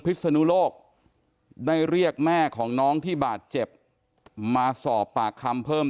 ศนุโลกได้เรียกแม่ของน้องที่บาดเจ็บมาสอบปากคำเพิ่ม